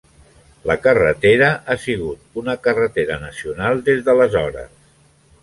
La carretera ha sigut una carretera nacional des d'aleshores.